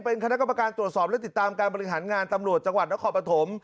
เป็นคณะกรรมการตรวจสอบและติดตามการบริหารงานตำรวจจังหวัดนครปฐม